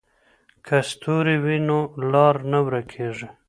که ستوري وي نو لار نه ورکېږي.